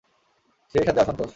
সেই সাথে অসন্তোষ।